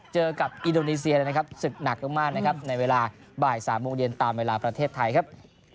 เจอกับอินโดนีเซียเลยนะครับศึกหนักมากนะครับในเวลาบ่าย๓โมงเย็นตามเวลาประเทศไทยครับ